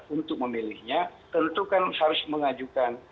untuk memilihnya tentu kan harus mengajukan